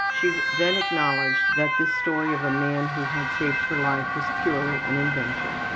She then acknowledged that this story of a man who had saved her life was purely an invention.